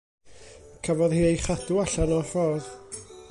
Cafodd hi ei chadw allan o'r ffordd.